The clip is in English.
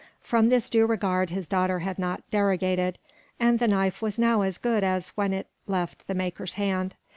From this due regard his daughter had not derogated, and the knife was now as good as when it left the maker's hand.